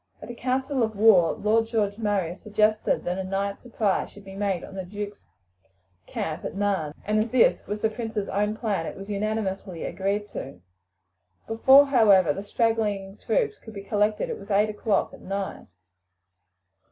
At a council of war Lord George Murray suggested that a night surprise should be made on the duke's camp at Nairn, and as this was the prince's own plan it was unanimously agreed to. Before, however, the straggling troops could be collected it was eight o'clock at night.